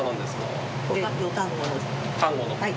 はい。